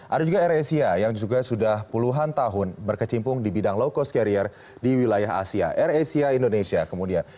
ada juga air asia yang juga sudah puluhan tahun berkecimpung di bidang low cost carrier di wilayah asia air asia indonesia kemudian